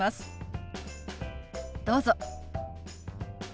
どうぞ。